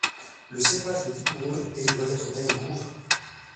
Le cépage est vigoureux et il doit être taillé court.